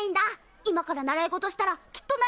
今から習い事したらきっとなれるよね？